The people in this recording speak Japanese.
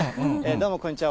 どうも、こんにちは。